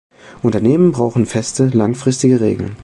Unternehmen brauchen feste, langfristige Regeln.